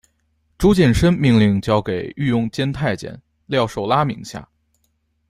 朱见深命令交给御用监太监廖寿拉名下。